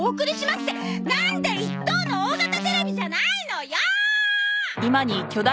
ってなんで１等の大型テレビじゃないのよ！